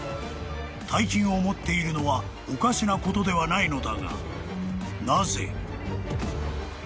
［大金を持っているのはおかしなことではないのだがなぜ？］